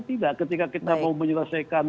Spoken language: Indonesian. tidak ketika kita mau menyelesaikan